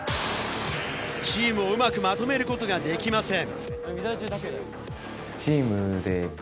チームをうまくまとめることができません。